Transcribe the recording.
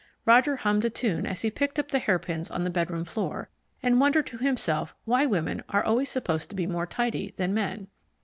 Roger hummed a tune as he picked up the hairpins on the bedroom floor, and wondered to himself why women are always supposed to be more tidy than men.